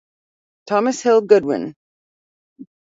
Thomas Hill Goodwin.